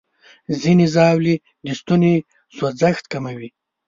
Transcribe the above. ځینې ژاولې د ستوني سوځښت کموي.